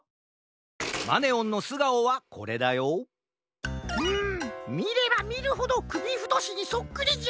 マネオンのすがおはこれだようんみればみるほどくびふとしにそっくりじゃ。